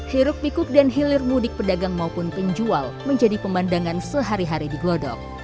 hiruk pikuk dan hilir mudik pedagang maupun penjual menjadi pemandangan sehari hari di glodok